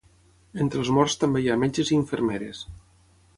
Entre els morts també hi ha metges i infermeres.